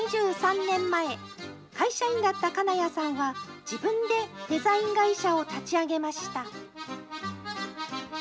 ２３年前、会社員だった金谷さんは、自分でデザイン会社を立ち上げました。